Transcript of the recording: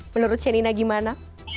menurut shenina gimana